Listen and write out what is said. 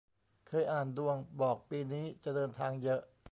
เคยอ่านดวง บอกปีนี้จะเดินทางเยอะ